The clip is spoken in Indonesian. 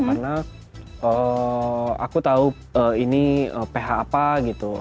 karena aku tahu ini ph apa gitu